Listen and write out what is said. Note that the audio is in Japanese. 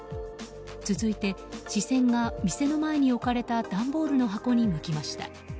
続いて、視線が店の前に置かれた段ボールの箱に向きました。